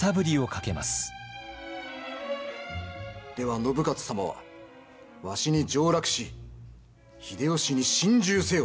では信雄様はわしに上洛し秀吉に臣従せよと？